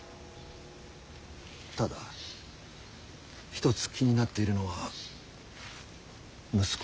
ただ一つ気になっているのは息子の清宗。